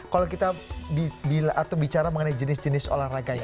kalau kita bicara mengenai jenis jenis olahraga